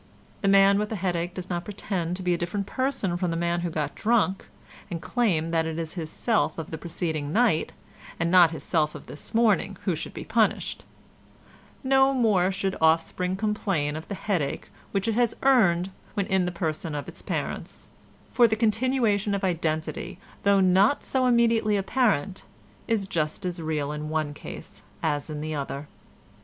The man with a headache does not pretend to be a different person from the man who got drunk, and claim that it is his self of the preceding night and not his self of this morning who should be punished; no more should offspring complain of the headache which it has earned when in the person of its parents, for the continuation of identity, though not so immediately apparent, is just as real in one case as in the other.